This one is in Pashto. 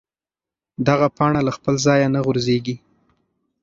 دغه پاڼه له خپل ځایه نه غورځېږي.